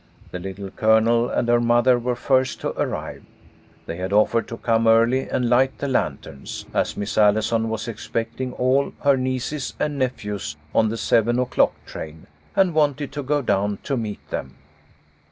The Little Colonel and her mother were first to arrive. They had offered to come early and light the lanterns, as Miss Allison was expecting all her nieces and nephews on the seven o'clock train, and wanted to go down to meet them.